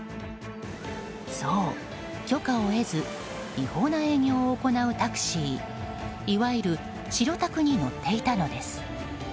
そう、許可を得ず違法な営業を行うタクシーいわゆる白タクに乗っていたのです。